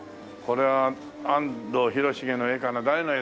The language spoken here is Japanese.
これは安藤広重の絵かな？